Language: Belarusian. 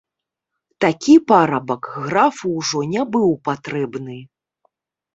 Такі парабак графу ўжо не быў патрэбны.